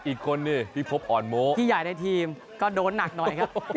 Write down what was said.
อีกคนนึงที่พบอ่อนโม้พี่ใหญ่ในทีมก็โดนหนักหน่อยครับ